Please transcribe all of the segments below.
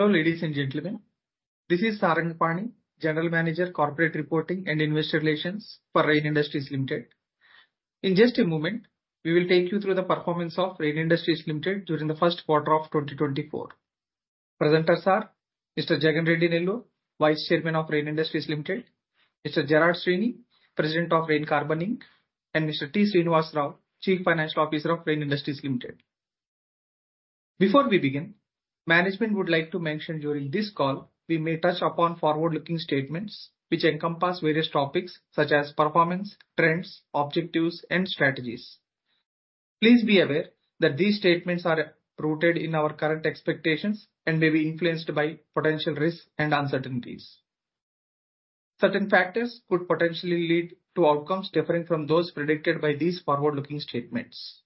Hello, ladies and gentlemen. This is Saranga Pani, General Manager, Corporate Reporting and Investor Relations for Rain Industries Limited. In just a moment, we will take you through the performance of Rain Industries Limited during the first quarter of 2024. Presenters are Mr. Jagan Mohan Reddy Nellore, Vice Chairman of Rain Industries Limited, Mr. Gerard Sweeney, President of Rain Carbon Inc., and Mr. T. Srinivasa Rao, Chief Financial Officer of Rain Industries Limited. Before we begin, management would like to mention during this call, we may touch upon forward-looking statements which encompass various topics such as performance, trends, objectives, and strategies. Please be aware that these statements are rooted in our current expectations and may be influenced by potential risks and uncertainties. Certain factors could potentially lead to outcomes differing from those predicted by these forward-looking statements.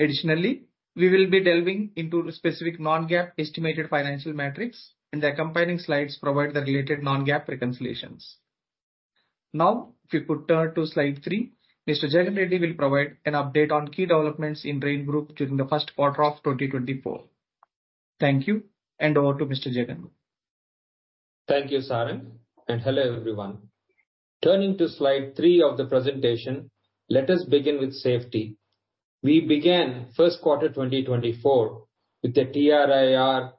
Additionally, we will be delving into specific non-GAAP estimated financial metrics, and the accompanying slides provide the related non-GAAP reconciliations. Now, if you could turn to slide three, Mr. Jagan Reddy will provide an update on key developments in Rain Group during the first quarter of 2024. Thank you, and over to Mr. Jagan. Thank you, Sarang, and hello, everyone. Turning to slide three of the presentation, let us begin with safety. We began first quarter 2024 with the TRIR,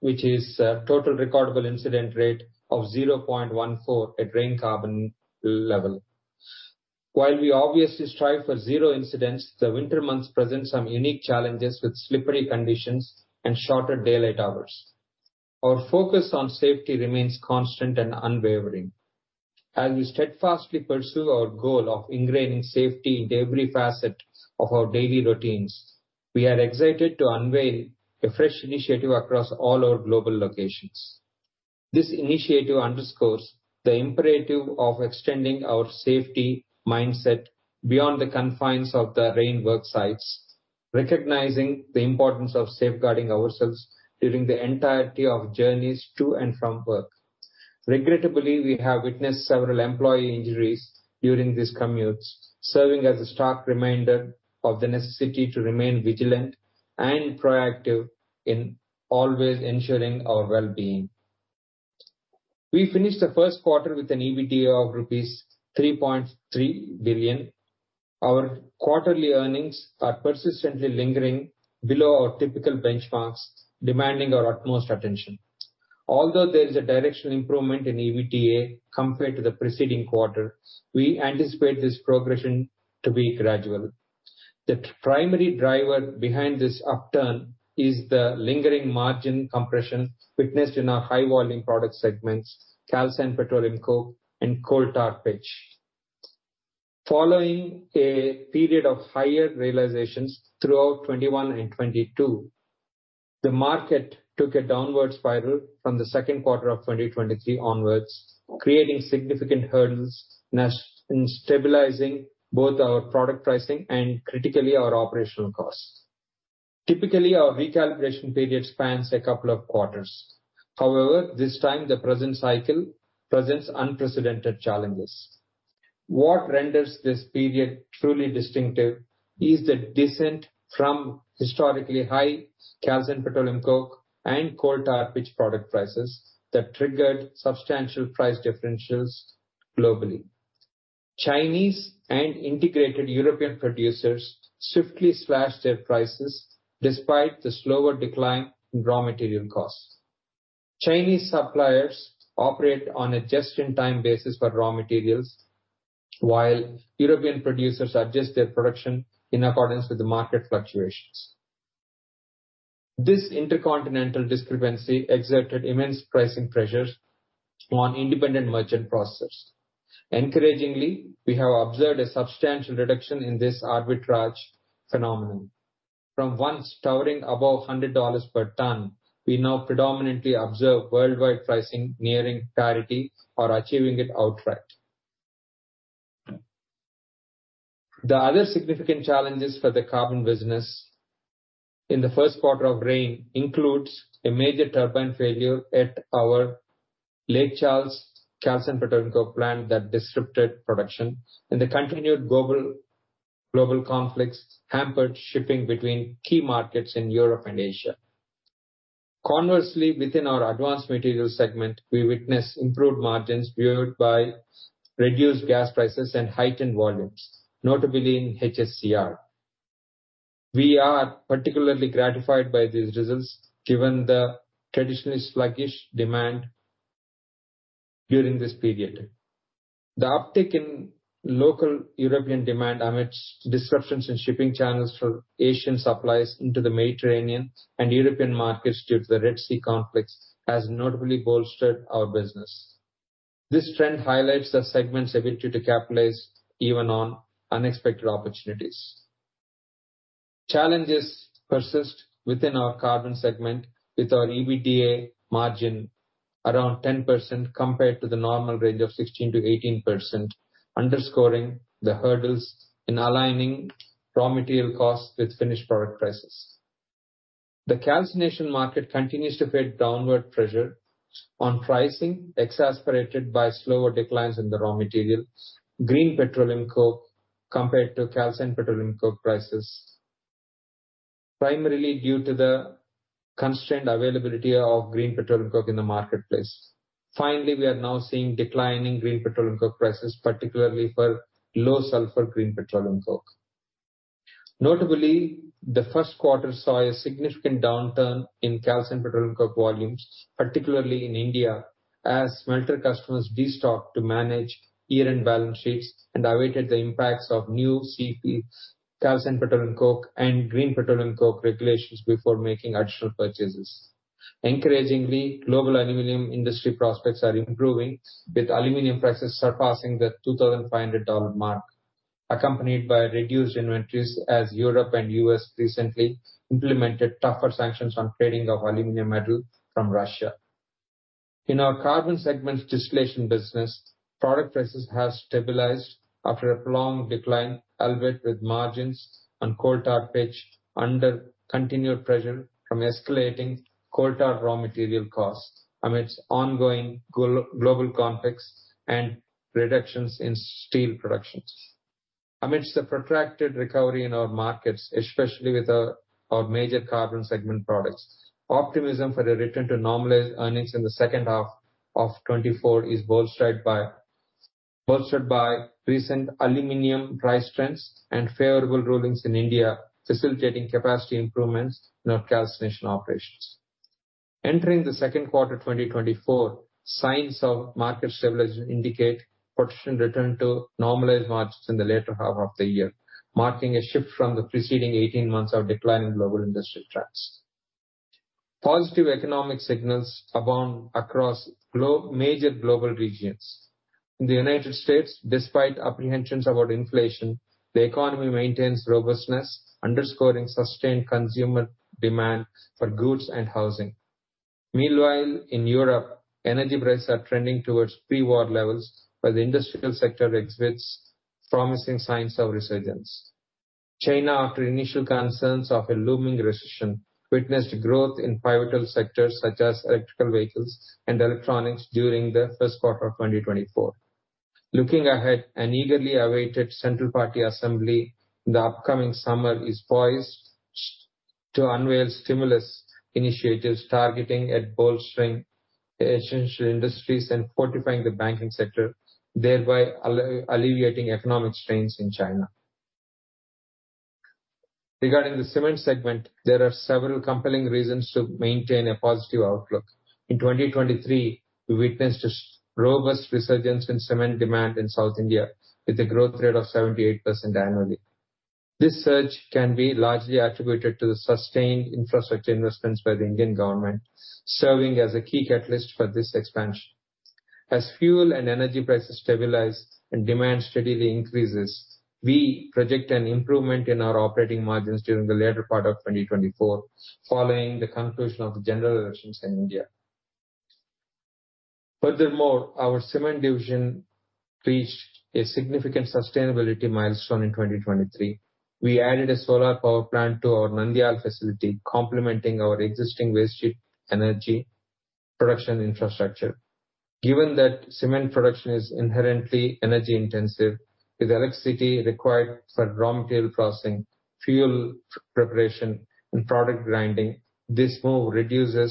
which is, Total Recordable Incident Rate, of 0.14 at Rain Carbon level. While we obviously strive for zero incidents, the winter months present some unique challenges with slippery conditions and shorter daylight hours. Our focus on safety remains constant and unwavering. As we steadfastly pursue our goal of ingraining safety into every facet of our daily routines, we are excited to unveil a fresh initiative across all our global locations. This initiative underscores the imperative of extending our safety mindset beyond the confines of the Rain work sites, recognizing the importance of safeguarding ourselves during the entirety of journeys to and from work. Regrettably, we have witnessed several employee injuries during these commutes, serving as a stark reminder of the necessity to remain vigilant and proactive in always ensuring our well-being. We finished the first quarter with an EBITDA of rupees 3.3 billion. Our quarterly earnings are persistently lingering below our typical benchmarks, demanding our utmost attention. Although there is a directional improvement in EBITDA compared to the preceding quarter, we anticipate this progression to be gradual. The primary driver behind this upturn is the lingering margin compression witnessed in our high-volume product segments, calcined petroleum coke and coal tar pitch. Following a period of higher realizations throughout 2021 and 2022, the market took a downward spiral from the second quarter of 2023 onwards, creating significant hurdles in stabilizing both our product pricing and critically our operational costs. Typically, our recalibration period spans a couple of quarters. However, this time, the present cycle presents unprecedented challenges. What renders this period truly distinctive is the descent from historically high calcined petroleum coke and coal tar pitch product prices that triggered substantial price differentials globally. Chinese and integrated European producers swiftly slashed their prices despite the slower decline in raw material costs. Chinese suppliers operate on a just-in-time basis for raw materials, while European producers adjust their production in accordance with the market fluctuations. This intercontinental discrepancy exerted immense pricing pressures on independent merchant processors. Encouragingly, we have observed a substantial reduction in this arbitrage phenomenon. From once towering above $100 per ton, we now predominantly observe worldwide pricing nearing parity or achieving it outright. The other significant challenges for the carbon business in the first quarter of Rain includes a major turbine failure at our Lake Charles calcined petroleum coke plant that disrupted production, and the continued global conflicts hampered shipping between key markets in Europe and Asia. Conversely, within our advanced materials segment, we witnessed improved margins fueled by reduced gas prices and heightened volumes, notably in HHCR. We are particularly gratified by these results, given the traditionally sluggish demand during this period. The uptick in local European demand amidst disruptions in shipping channels for Asian supplies into the Mediterranean and European markets due to the Red Sea conflicts, has notably bolstered our business. This trend highlights the segment's ability to capitalize even on unexpected opportunities. Challenges persist within our carbon segment, with our EBITDA margin around 10% compared to the normal range of 16%-18%, underscoring the hurdles in aligning raw material costs with finished product prices. The calcination market continues to face downward pressure on pricing, exacerbated by slower declines in the raw materials, green petroleum coke compared to calcined petroleum coke prices, primarily due to the constrained availability of green petroleum coke in the marketplace. Finally, we are now seeing declining green petroleum coke prices, particularly for low sulfur green petroleum coke. Notably, the first quarter saw a significant downturn in calcined petroleum coke volumes, particularly in India, as smelter customers destocked to manage year-end balance sheets and awaited the impacts of new CPC, calcined petroleum coke, and green petroleum coke regulations before making additional purchases. Encouragingly, global aluminum industry prospects are improving, with aluminum prices surpassing the $2,500 mark, accompanied by reduced inventories as Europe and U.S. recently implemented tougher sanctions on trading of aluminum metal from Russia. In our carbon segment distillation business, product prices have stabilized after a prolonged decline, albeit with margins on coal tar pitch under continued pressure from escalating coal tar raw material costs amidst ongoing global conflicts and reductions in steel production. Amidst the protracted recovery in our markets, especially with our major carbon segment products, optimism for the return to normalized earnings in the second half of 2024 is bolstered by recent aluminum price trends and favorable rulings in India, facilitating capacity improvements in our calcination operations. Entering the second quarter, 2024, signs of market stabilization indicate potential return to normalized margins in the latter half of the year, marking a shift from the preceding 18 months of decline in global industry trends. Positive economic signals abound across major global regions. In the United States, despite apprehensions about inflation, the economy maintains robustness, underscoring sustained consumer demand for goods and housing. Meanwhile, in Europe, energy prices are trending towards pre-war levels, while the industrial sector exhibits promising signs of resurgence. China, after initial concerns of a looming recession, witnessed growth in pivotal sectors such as electric vehicles and electronics during the first quarter of 2024. Looking ahead, an eagerly awaited central party assembly in the upcoming summer is poised to unveil stimulus initiatives targeting at bolstering the essential industries and fortifying the banking sector, thereby alleviating economic strains in China. Regarding the cement segment, there are several compelling reasons to maintain a positive outlook. In 2023, we witnessed a robust resurgence in cement demand in South India with a growth rate of 78% annually. This surge can be largely attributed to the sustained infrastructure investments by the Indian government, serving as a key catalyst for this expansion. As fuel and energy prices stabilize and demand steadily increases, we project an improvement in our operating margins during the latter part of 2024, following the conclusion of the general elections in India. Furthermore, our cement division reached a significant sustainability milestone in 2023. We added a solar power plant to our Nandyal facility, complementing our existing waste heat energy production infrastructure. Given that cement production is inherently energy intensive, with electricity required for raw material processing, fuel preparation, and product grinding, this move to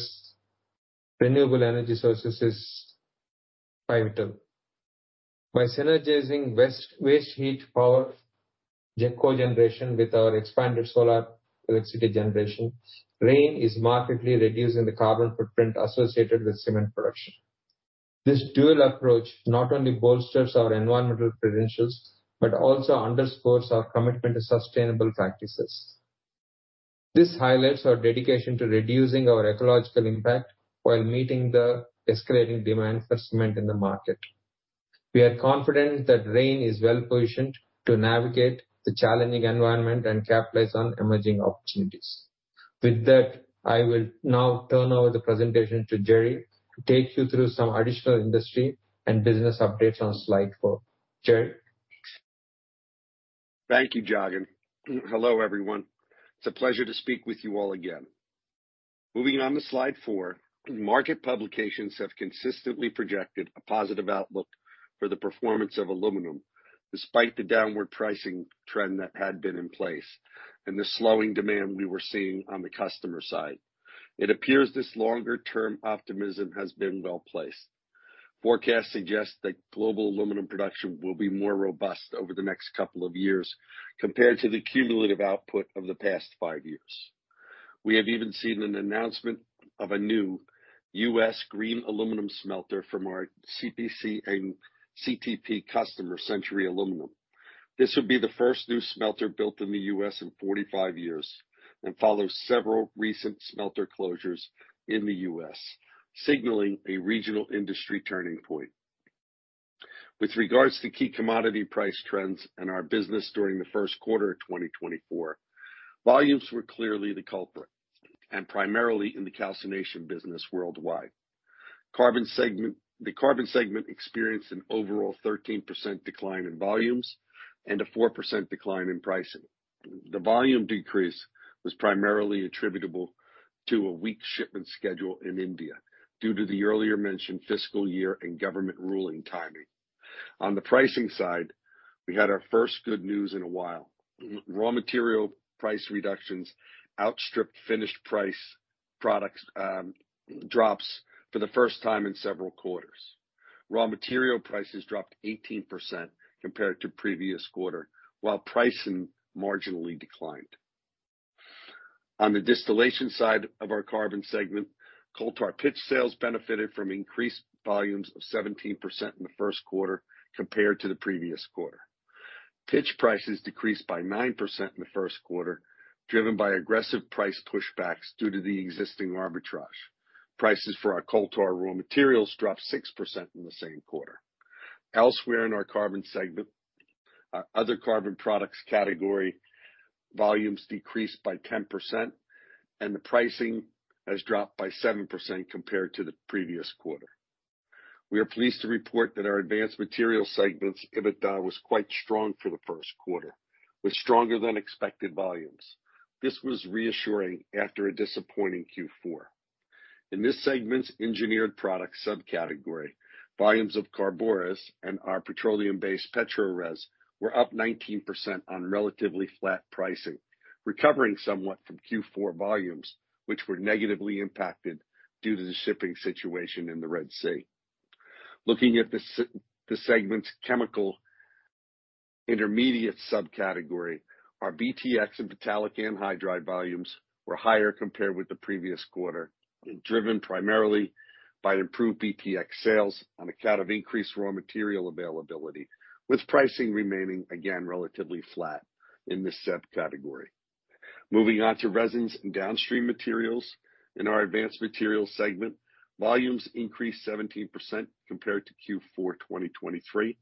renewable energy sources is pivotal. By synergizing waste heat power co-generation with our expanded solar electricity generation, Rain is markedly reducing the carbon footprint associated with cement production. This dual approach not only bolsters our environmental credentials, but also underscores our commitment to sustainable practices. This highlights our dedication to reducing our ecological impact while meeting the escalating demand for cement in the market. We are confident that Rain is well-positioned to navigate the challenging environment and capitalize on emerging opportunities. With that, I will now turn over the presentation to Jerry to take you through some additional industry and business updates on slide four. Gerard? Thank you, Jagan. Hello, everyone. It's a pleasure to speak with you all again. Moving on to slide four, market publications have consistently projected a positive outlook for the performance of aluminum, despite the downward pricing trend that had been in place and the slowing demand we were seeing on the customer side. It appears this longer-term optimism has been well placed. Forecasts suggest that global aluminum production will be more robust over the next couple of years compared to the cumulative output of the past five years. We have even seen an announcement of a new U.S. green aluminum smelter from our CPC and CTP customer, Century Aluminum. This will be the first new smelter built in the U.S. in 45 years, and follows several recent smelter closures in the U.S., signaling a regional industry turning point. With regards to key commodity price trends and our business during the first quarter of 2024, volumes were clearly the culprit, and primarily in the calcination business worldwide. The carbon segment experienced an overall 13% decline in volumes and a 4% decline in pricing... The volume decrease was primarily attributable to a weak shipment schedule in India, due to the earlier mentioned fiscal year and government ruling timing. On the pricing side, we had our first good news in a while. Raw material price reductions outstripped finished price products, drops for the first time in several quarters. Raw material prices dropped 18% compared to previous quarter, while pricing marginally declined. On the distillation side of our carbon segment, coal tar pitch sales benefited from increased volumes of 17% in the first quarter compared to the previous quarter. Pitch prices decreased by 9% in the first quarter, driven by aggressive price pushbacks due to the existing arbitrage. Prices for our coal tar raw materials dropped 6% in the same quarter. Elsewhere in our carbon segment, our other carbon products category, volumes decreased by 10%, and the pricing has dropped by 7% compared to the previous quarter. We are pleased to report that our advanced materials segment's EBITDA was quite strong for the first quarter, with stronger than expected volumes. This was reassuring after a disappointing Q4. In this segment's engineered product subcategory, volumes of CARBORES and our petroleum-based PETRORES were up 19% on relatively flat pricing, recovering somewhat from Q4 volumes, which were negatively impacted due to the shipping situation in the Red Sea. Looking at the segment's chemical intermediate subcategory, our BTX and phthalic anhydride volumes were higher compared with the previous quarter, driven primarily by improved BTX sales on account of increased raw material availability, with pricing remaining, again, relatively flat in this subcategory. Moving on to resins and downstream materials in our advanced materials segment, volumes increased 17% compared to Q4 2023.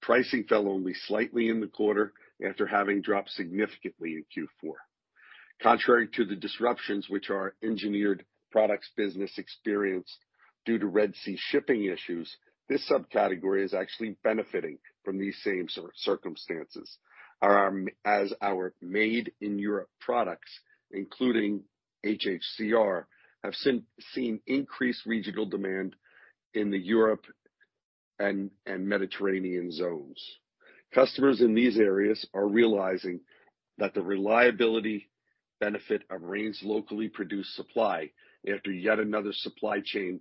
Pricing fell only slightly in the quarter after having dropped significantly in Q4. Contrary to the disruptions which our engineered products business experienced due to Red Sea shipping issues, this subcategory is actually benefiting from these same circumstances. Our, as our made-in-Europe products, including HHCR, have seen increased regional demand in the Europe and Mediterranean zones. Customers in these areas are realizing that the reliability benefits inure to locally produced supply after yet another supply chain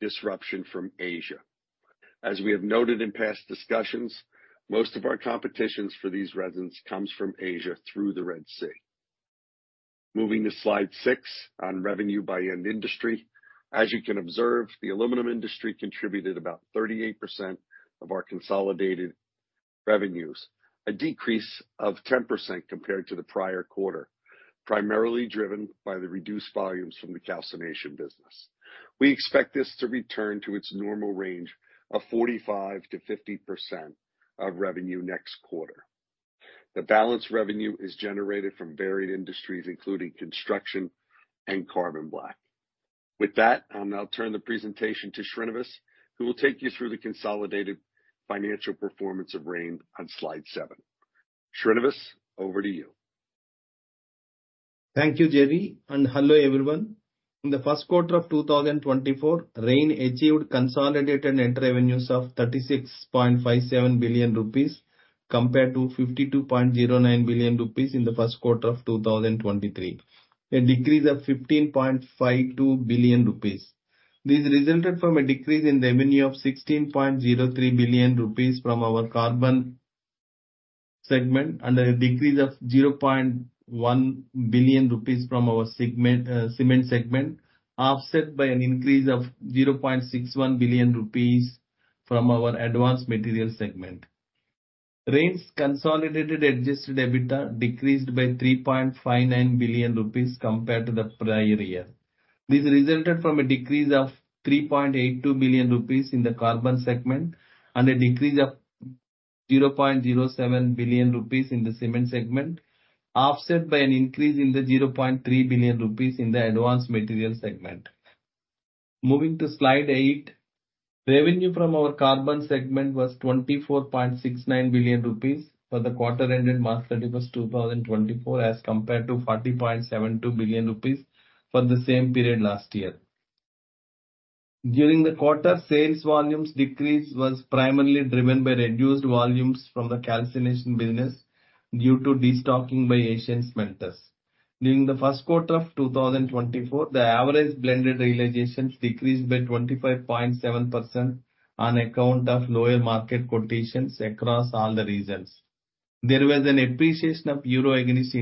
disruption from Asia. As we have noted in past discussions, most of our competition for these residues comes from Asia through the Red Sea. Moving to Slide six, on revenue by end industry. As you can observe, the aluminum industry contributed about 38% of our consolidated revenues, a decrease of 10% compared to the prior quarter, primarily driven by the reduced volumes from the calcination business. We expect this to return to its normal range of 45%-50% of revenue next quarter. The balance revenue is generated from varied industries, including construction and carbon black. With that, I'll now turn the presentation to Srinivas, who will take you through the consolidated financial performance of Rain on Slide seven. Srinivas, over to you. Thank you, Jerry, and hello, everyone. In the first quarter of 2024, Rain achieved consolidated net revenues of 36.57 billion rupees, compared to 52.09 billion rupees in the first quarter of 2023, a decrease of 15.52 billion rupees. This resulted from a decrease in revenue of 16.03 billion rupees from our carbon segment and a decrease of 0.1 billion rupees from our cement segment, offset by an increase of 0.61 billion rupees from our advanced materials segment. Rain's consolidated Adjusted EBITDA decreased by 3.59 billion rupees compared to the prior year. This resulted from a decrease of 3.82 billion rupees in the carbon segment and a decrease of 0.07 billion rupees in the cement segment, offset by an increase in the 0.3 billion rupees in the advanced materials segment. Moving to Slide eight. Revenue from our carbon segment was 24.69 billion rupees for the quarter ended March thirty-first, 2024, as compared to 40.72 billion rupees for the same period last year. During the quarter, sales volumes decrease was primarily driven by reduced volumes from the calcination business due to destocking by Asian smelters. During the first quarter of 2024, the average blended realizations decreased by 25.7% on account of lower market quotations across all the regions. There was an appreciation of the euro against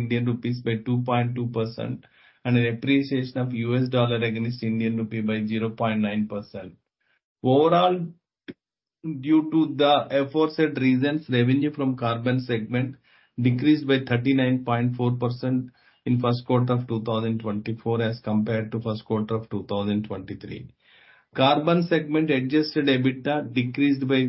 the Indian rupee by 2.2% and an appreciation of the U.S. dollar against the Indian rupee by 0.9%. Overall, due to the aforesaid reasons, revenue from carbon segment decreased by 39.4% in first quarter of 2024, as compared to first quarter of 2023. Carbon segment Adjusted EBITDA decreased by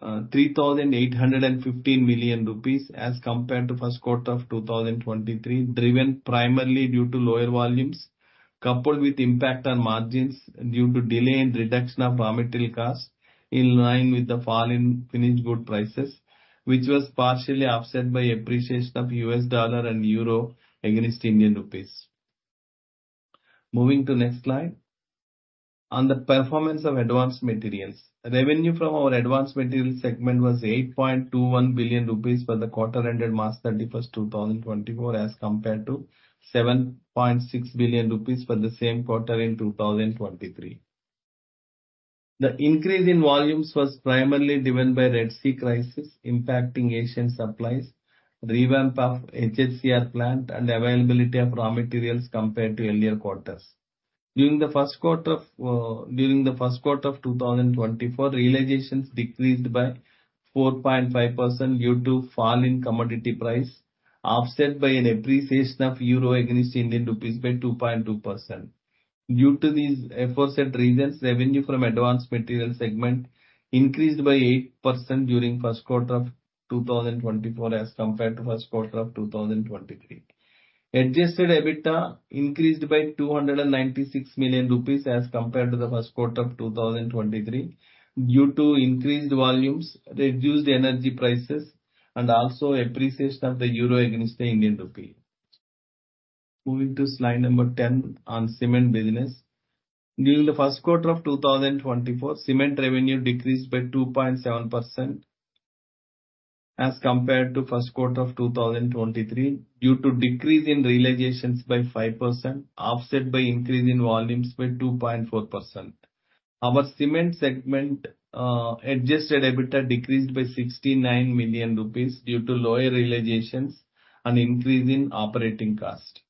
3,815 million rupees as compared to first quarter of 2023, driven primarily due to lower volumes, coupled with impact on margins due to delay in reduction of raw material costs in line with the fall in finished goods prices, which was partially offset by appreciation of the U.S. dollar and euro against the Indian rupee.... Moving to next slide. On the performance of advanced materials. Revenue from our advanced materials segment was 8.21 billion rupees for the quarter ended March 31st, 2024, as compared to 7.6 billion rupees for the same quarter in 2023. The increase in volumes was primarily driven by Red Sea crisis impacting Asian supplies, revamp of HHCR plant, and availability of raw materials compared to earlier quarters. During the first quarter of 2024, realizations decreased by 4.5% due to fall in commodity price, offset by an appreciation of euro against Indian rupees by 2.2%. Due to these aforesaid reasons, revenue from advanced materials segment increased by 8% during first quarter of 2024, as compared to first quarter of 2023. Adjusted EBITDA increased by 296 million rupees as compared to the first quarter of 2023, due to increased volumes, reduced energy prices, and also appreciation of the euro against the Indian rupee. Moving to slide number 10 on cement business. During the first quarter of 2024, cement revenue decreased by 2.7% as compared to first quarter of 2023, due to decrease in realizations by 5%, offset by increase in volumes by 2.4%. Our cement segment, adjusted EBITDA decreased by 69 million rupees due to lower realizations and increase in operating cost.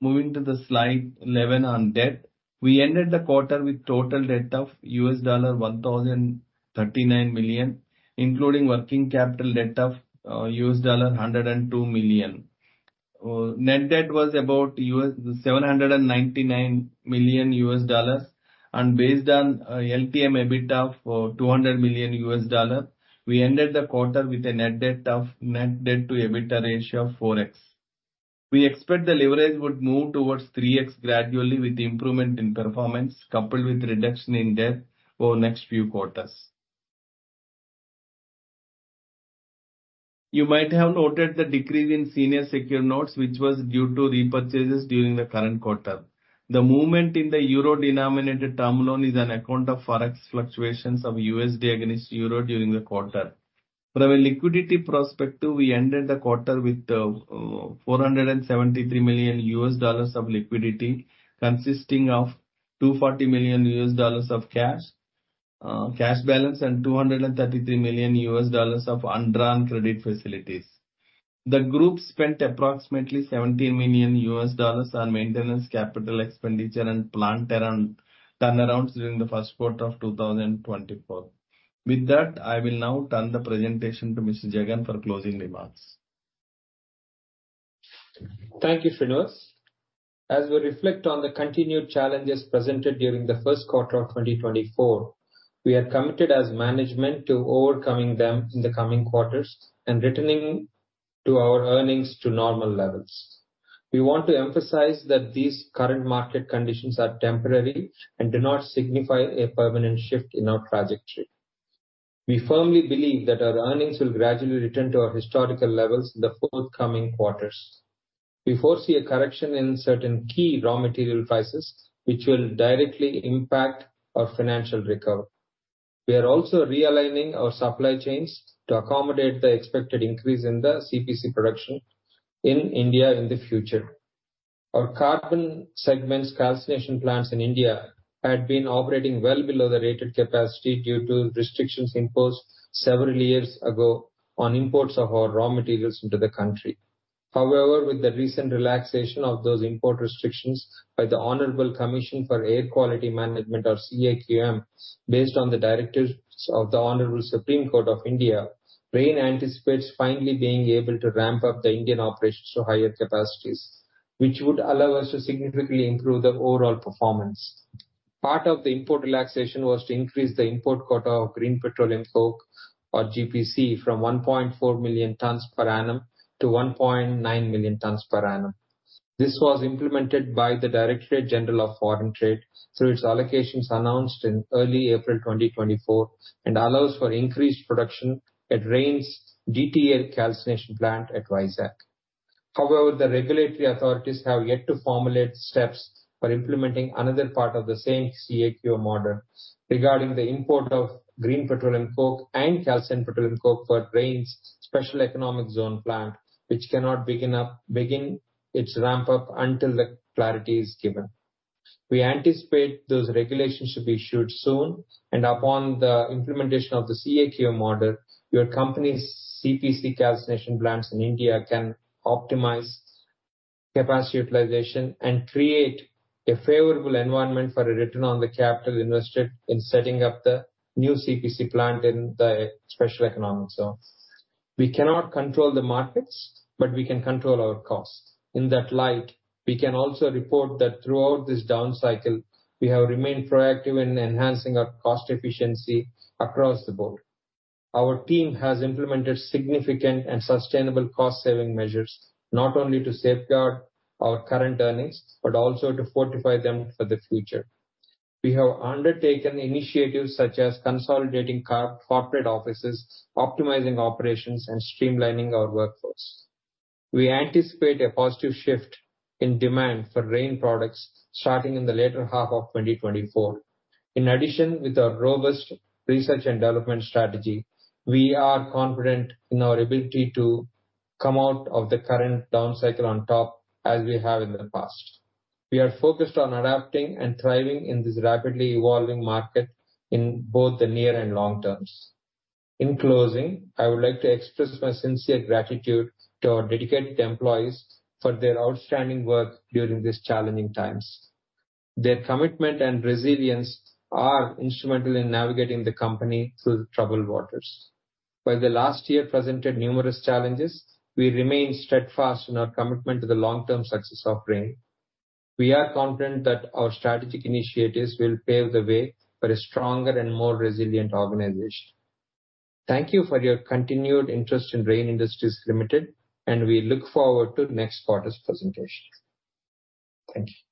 Moving to the slide 11 on debt. We ended the quarter with total debt of $1,039 million, including working capital debt of $102 million. Net debt was about $799 million, and based on LTM EBITDA of $200 million, we ended the quarter with a net debt to EBITDA ratio of 4x. We expect the leverage would move towards 3x gradually with improvement in performance, coupled with reduction in debt over next few quarters. You might have noted the decrease in senior secured notes, which was due to repurchases during the current quarter. The movement in the euro-denominated term loan is on account of forex fluctuations of USD against euro during the quarter. From a liquidity perspective, we ended the quarter with $473 million of liquidity, consisting of $240 million of cash, cash balance, and $233 million of undrawn credit facilities. The group spent approximately $70 million on maintenance, capital expenditure, and plant around turnarounds during the first quarter of 2024. With that, I will now turn the presentation to Mr. Jagan for closing remarks. Thank you, [Finos]. As we reflect on the continued challenges presented during the first quarter of 2024, we are committed as management to overcoming them in the coming quarters and returning our earnings to normal levels. We want to emphasize that these current market conditions are temporary and do not signify a permanent shift in our trajectory. We firmly believe that our earnings will gradually return to our historical levels in the forthcoming quarters. We foresee a correction in certain key raw material prices, which will directly impact our financial recovery. We are also realigning our supply chains to accommodate the expected increase in the CPC production in India in the future. Our carbon segment's calcination plants in India had been operating well below the rated capacity due to restrictions imposed several years ago on imports of our raw materials into the country. However, with the recent relaxation of those import restrictions by the Honorable Commission for Air Quality Management, or CAQM, based on the directives of the Honorable Supreme Court of India, Rain anticipates finally being able to ramp up the Indian operations to higher capacities, which would allow us to significantly improve the overall performance. Part of the import relaxation was to increase the import quota of green petroleum coke, or GPC, from 1.4 million tons per annum to 1.9 million tons per annum. This was implemented by the Directorate General of Foreign Trade through its allocations announced in early April 2024, and allows for increased production at Rain's DTA calcination plant at Vizag. However, the regulatory authorities have yet to formulate steps for implementing another part of the same CAQM model regarding the import of green petroleum coke and calcined petroleum coke for Rain's Special Economic Zone plant, which cannot begin its ramp up until the clarity is given. We anticipate those regulations should be issued soon, and upon the implementation of the CAQM model, your company's CPC calcination plants in India can optimize capacity utilization and create a favorable environment for a return on the capital invested in setting up the new CPC plant in the Special Economic Zone. We cannot control the markets, but we can control our costs. In that light, we can also report that throughout this down cycle we have remained proactive in enhancing our cost efficiency across the board. Our team has implemented significant and sustainable cost-saving measures, not only to safeguard our current earnings, but also to fortify them for the future. We have undertaken initiatives such as consolidating corporate offices, optimizing operations, and streamlining our workforce. We anticipate a positive shift in demand for Rain products starting in the latter half of 2024. In addition, with our robust research and development strategy, we are confident in our ability to come out of the current down cycle on top, as we have in the past. We are focused on adapting and thriving in this rapidly evolving market in both the near and long terms. In closing, I would like to express my sincere gratitude to our dedicated employees for their outstanding work during these challenging times. Their commitment and resilience are instrumental in navigating the company through the troubled waters. While the last year presented numerous challenges, we remain steadfast in our commitment to the long-term success of Rain. We are confident that our strategic initiatives will pave the way for a stronger and more resilient organization. Thank you for your continued interest in Rain Industries Limited, and we look forward to the next quarter's presentation. Thank you.